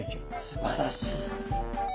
すばらしい。